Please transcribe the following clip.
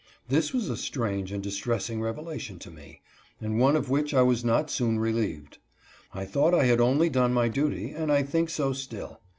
This was a strange and distressing revelation to me, and one of which I was not soon relieved. I thought I had only done my duty, and I think so still.